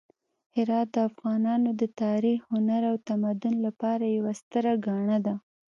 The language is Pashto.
هرات د افغانانو د تاریخ، هنر او تمدن لپاره یوه ستره ګاڼه ده.